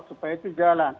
supaya itu jalan